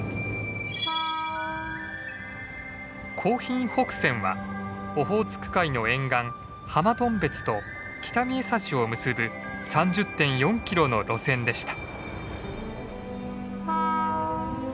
興浜北線はオホーツク海の沿岸浜頓別と北見枝幸を結ぶ３０．４キロの路線でした。